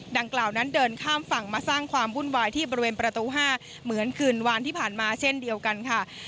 ดังกล่าวนั้นเดินข้ามฝั่งมาสร้างความวุ่นวายที่บริเวณประตู๕เหมือนคืนวานที่ผ่านมาเช่นเดียวกันค่ะ